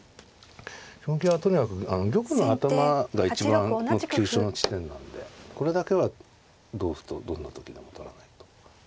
将棋はとにかく玉の頭が一番の急所の地点なんでこれだけは同歩とどんな時でも取らないと。